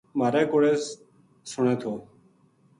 مھارے کوڑے سنے تھو